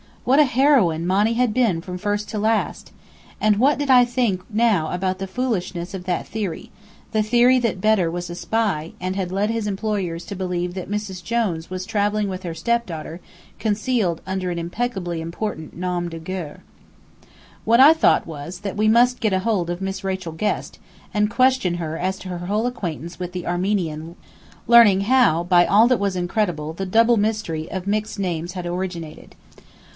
What a heroine Monny had been from first to last! And what did I think now about the foolishness of that theory the theory that Bedr was a spy, and had led his employers to believe that "Mrs. Jones" was travelling with her stepdaughter concealed under an impeccably important nom de guerre? What I thought was, that we must get hold of Miss Rachel Guest, and question her as to her whole acquaintance with the Armenian learning how, by all that was incredible, the double mystery of mixed names had originated.